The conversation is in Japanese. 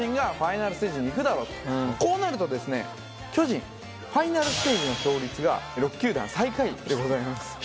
こうなるとですね巨人ファイナルステージの勝率が６球団最下位でございます。